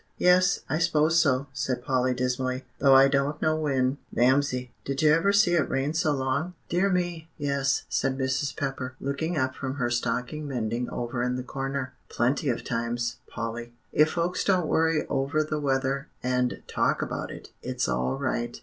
"Yes, I s'pose so," said Polly dismally; "though I don't know when. Mamsie, did you ever see it rain so long?" "Dear me, yes," said Mrs. Pepper, looking up from her stocking mending over in the corner, "plenty of times, Polly. If folks don't worry over the weather and talk about it, it's all right.